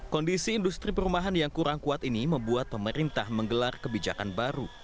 kondisi industri perumahan yang kurang kuat ini membuat pemerintah menggelar kebijakan baru